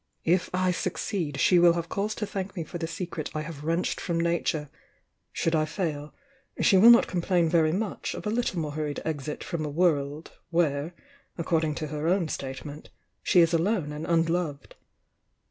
If I succeed, she will have cause to thank pie for the secret I have wrenched from Nature,— should I fail, she will not complain very much of a little more hurried exit from a world, where, according to her own state ment, she is alone and unloved."